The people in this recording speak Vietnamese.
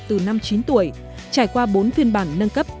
từ năm chín tuổi trải qua bốn phiên bản nâng cấp